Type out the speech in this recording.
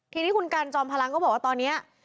ทีนี้คุณกันจอมพลังก็บอกว่าตอนนี้